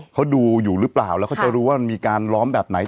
เขาดูอยู่หรือเปล่าแล้วเขาจะรู้ว่ามันมีการล้อมแบบไหน